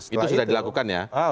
itu sudah dilakukan ya